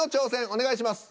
お願いします。